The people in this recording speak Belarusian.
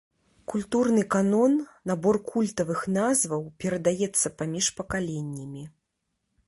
Культурны канон, набор культавых назваў перадаецца паміж пакаленнямі.